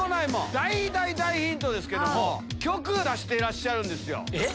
大大大ヒントですけども曲出してらっしゃるんですよ。